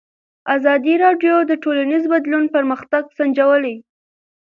ازادي راډیو د ټولنیز بدلون پرمختګ سنجولی.